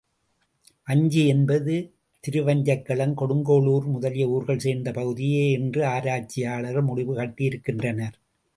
வஞ்சி என்பது, திருவஞ்சைக்களம் கொடுங்கோளூர் முதலிய ஊர்கள் சேர்ந்த பகுதியே என்று ஆராய்ச்சியாளர்கள் முடிவு கட்டியிருக்கின்றனர்.